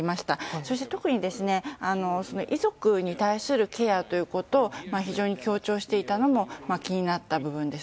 そして、特に遺族に対するケアということを非常に強調していたのも気になった部分です。